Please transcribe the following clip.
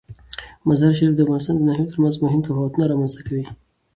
مزارشریف د افغانستان د ناحیو ترمنځ مهم تفاوتونه رامنځ ته کوي.